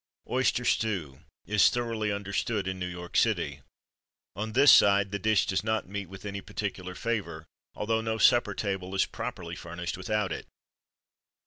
Oyster Stew is thoroughly understood in New York City. On this side, the dish does not meet with any particular favour, although no supper table is properly furnished without it.